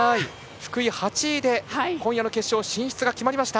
福井、８位で今夜の決勝進出が決まりました！